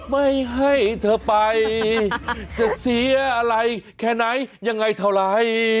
ไม่ให้เธอไปจะเสียอะไรแค่ไหนยังไงเท่าไร